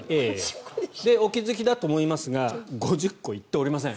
お気付きだと思いますが５０個言っておりません。